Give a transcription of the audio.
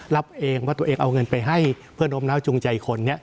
รับเองว่าตัวเองเอาเงินไปให้เพื่อนม้าวจุงใจคนนี้